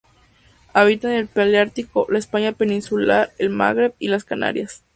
Habita en el paleártico: la España peninsular, el Magreb y las Canarias.